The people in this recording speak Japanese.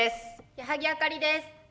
矢作あかりです。